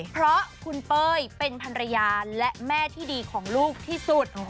เพราะคุณเป้ยเป็นภรรยาและแม่ที่ดีของลูกที่สุด